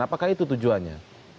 apakah itu tujuannya